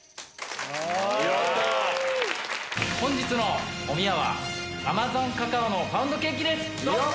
本日のおみやはアマゾンカカオのパウンドケーキです！